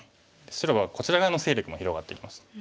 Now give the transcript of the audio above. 白はこちら側の勢力も広がってきました。